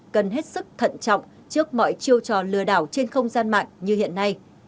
cần hết sức thận trọng trước mọi chiêu trò lừa đảo trên không gian mạng như hiện nay